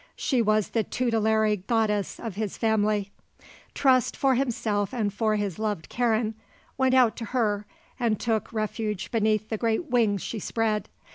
She was the tutelary goddess of his family. Trust, for himself and for his loved Karen, went out to her and took refuge beneath the great wings she spread.